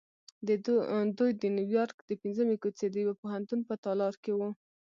دوی د نیویارک د پنځمې کوڅې د یوه پوهنتون په تالار کې وو